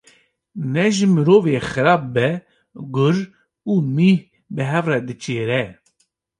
Ne ji mirovê xerab be, gur û mih bi hev re diçêre.